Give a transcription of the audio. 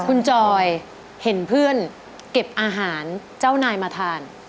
คุณจอยเห็นเพื่อนเก็บอาหารเจ้านายมาทาน